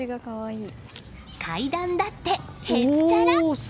階段だってへっちゃら！